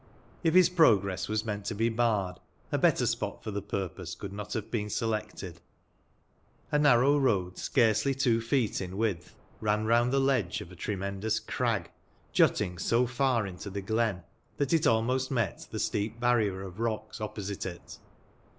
If bis progress was meant to be barred, a better spot for tbe purpose could not bave been selected. A narrow road, scarcely two feet in widtb, ran round tbe ledge of a tremendous crag, jutting so far into tbe glen tbat it almost met tbe steep barrier of rocks opposite it.